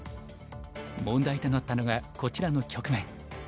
問題となったのがこちらの局面。